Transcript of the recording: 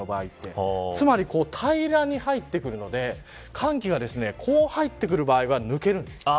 つまり平らに入ってくるので寒気がこう入ってくる場合は抜けるんです。